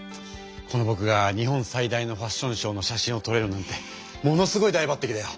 このぼくがにほん最大のファッションショーの写真をとれるなんてものすごいだいばってきだよ！